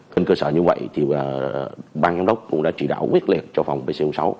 trên cơ sở như vậy bang giám đốc cũng đã trị đảo quyết liệt cho phòng pc sáu